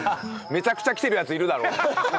めちゃくちゃ来てるヤツいるだろうね。